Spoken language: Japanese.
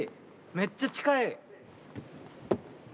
めっちゃ近い！